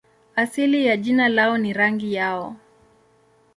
Asili ya jina lao ni rangi yao.